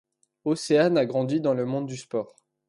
Océane a grandi dans le monde du sport.